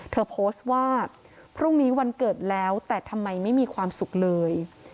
เธอโพสต์ว่าพรุ่งนี้วันเกิดแล้วแต่ทำไมไม่มีความสุขเลย